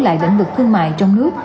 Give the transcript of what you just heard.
lại lĩnh vực thương mại trong nước